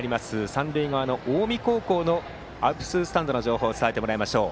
三塁側の近江高校のアルプススタンドの情報を伝えてもらいましょう。